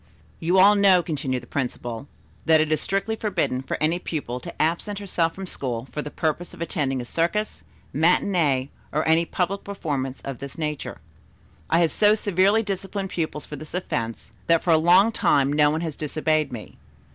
"You all know," continued the principal, "that it is strictly forbidden for any pupil to absent herself from school for the purpose of attending a circus, matinée or any public performance of this nature. I have so severely disciplined pupils for this offence that for a long time no one has disobeyed me.